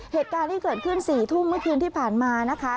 เหตุการณ์ที่เกิดขึ้น๔ทุ่มเมื่อคืนที่ผ่านมานะคะ